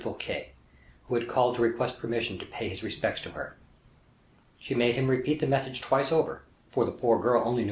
Fouquet, who had called to request permission to pay his respects to her. She made him repeat the message twice over, for the poor girl only knew M.